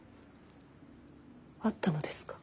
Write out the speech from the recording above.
会ったのですか？